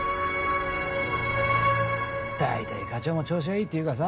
だいたい課長も調子がいいっていうかさ。